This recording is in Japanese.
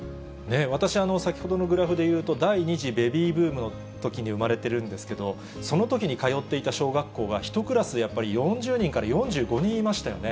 私、先ほどのグラフでいうと、第２次ベビーブームのときに生まれてるんですけど、そのときに通っていた小学校は、１クラスやっぱり４０人から４５人いましたよね。